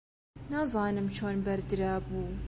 نازانم چۆن بەردرابوو.